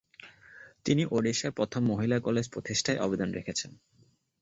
তিনি ওডিশার প্রথম মহিলা কলেজ প্রতিষ্ঠায় অবদান রেখেছেন।